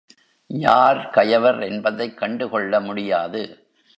யார் கயவர் என்பதைக் கண்டுகொள்ள முடியாது.